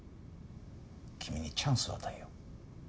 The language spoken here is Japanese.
君にチャンスを与えよう。